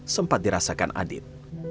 sempat dirasakan adit